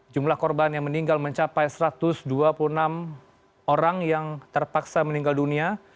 jumlah korban yang meninggal mencapai satu ratus dua puluh enam orang yang terpaksa meninggal dunia